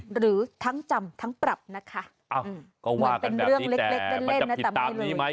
หรือทั้งจำทั้งปรับนะคะอ้าวก็ว่ากันแบบนี้แต่มันจะผิดตามนี้ไหม